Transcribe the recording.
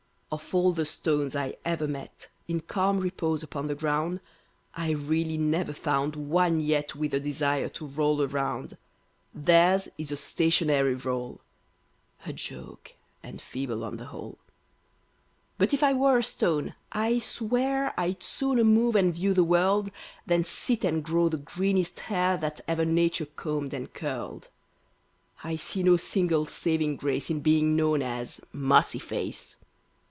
Of all the Stones I ever met, In calm repose upon the ground, I really never found one yet With a desire to roll around; Theirs is a stationary rôle, (A joke, and feeble on the whole). But, if I were a stone, I swear I'd sooner move and view the World Than sit and grow the greenest hair That ever Nature combed and curled. I see no single saving grace In being known as "Mossyface!"